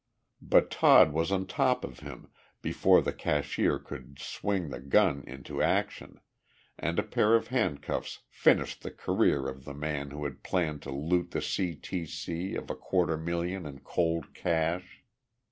But Todd was on top of him before the cashier could swing the gun into action, and a pair of handcuffs finished the career of the man who had planned to loot the C. T. C. of a quarter million in cold cash.